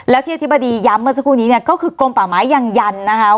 แล้วที่อธิบดีย้ำเมื่อสักครู่นี้เนี่ยก็คือกลมป่าไม้ยังยันนะคะ